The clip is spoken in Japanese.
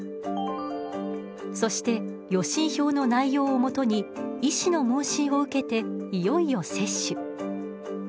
そして予診票の内容をもとに医師の問診を受けていよいよ接種。